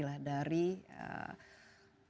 dari demokrasi yang berlangsung sekarang di dunia